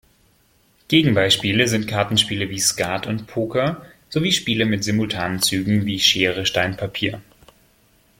Gegenbeispiele sind Kartenspiele wie Skat und Poker sowie Spiele mit simultanen Zügen wie Schere-Stein-Papier.